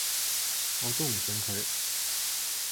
我都唔信佢